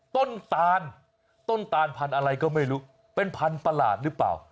ตานต้นตานพันธุ์อะไรก็ไม่รู้เป็นพันธุ์ประหลาดหรือเปล่า